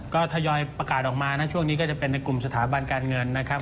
ก็ทยอยประกาศออกมานะช่วงนี้ก็จะเป็นในกลุ่มสถาบันการเงินนะครับ